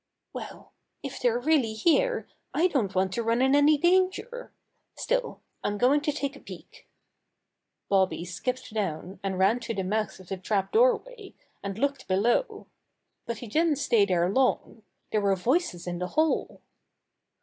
"Well, if they're really here, I don't want to run in any danger. Still I'm going to take a peek." Bobby skipped down and ran to the mouth of the trap doorway, and looked below. But he didn't stay there long. There were voices in the hall.